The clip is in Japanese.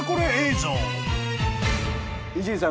伊集院さん